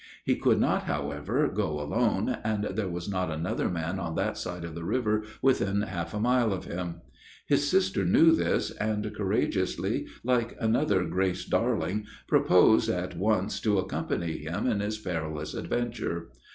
He could not, however, go alone, and there was not another man on that side of the river within half a mile of him. His sister knew this, and, courageously, like another Grace Darling, proposed, at once, to accompany him in his perilous adventure.